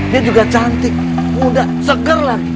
dia juga cantik muda seger lah